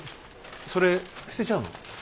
それ捨てちゃうの？